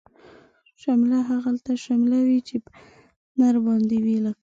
شمله هغلته شمله وی، چی په نر باندی وی لکه